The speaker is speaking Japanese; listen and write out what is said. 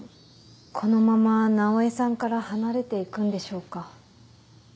このまま直江さんから離れて行くんでしょうか。